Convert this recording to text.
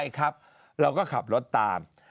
แล้วก็ขับรถตาม